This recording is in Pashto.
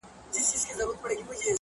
هغې ليونۍ بيا د غاړي هار مات کړی دی”